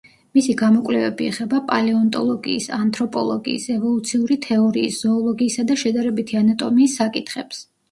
მისი გამოკვლევები ეხება პალეონტოლოგიის, ანთროპოლოგიის, ევოლუციური თეორიის, ზოოლოგიისა და შედარებითი ანატომიის საკითხებს.